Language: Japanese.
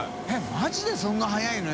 ┐マジでそんな速いの？